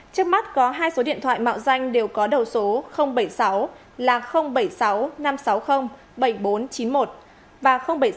trước mắt có hai số điện thoại mạo danh đều có đầu số bảy mươi sáu bảy mươi sáu năm trăm sáu mươi bảy nghìn bốn trăm chín mươi một và bảy mươi sáu tám trăm bảy mươi hai một nghìn tám trăm hai mươi năm